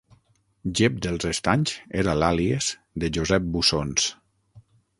Jep dels Estanys era l'àlies de Josep Bussons.